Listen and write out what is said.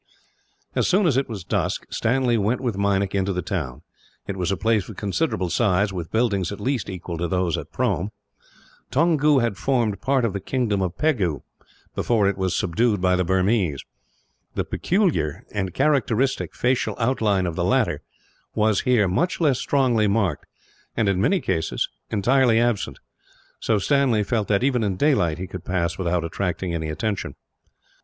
As soon as it was dusk, Stanley went with Meinik into the town. It was a place of considerable size, with buildings at least equal to those at Prome. Toungoo had formed part of the kingdom of Pegu, before it had been subdued by the Burmese. The peculiar and characteristic facial outline of the latter was, here, much less strongly marked and, in many cases, entirely absent; so Stanley felt that, even in daylight, he would pass without attracting any attention.